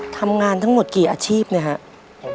ทำงานทั้งหมดกี่อาชีพเนี่ยครับ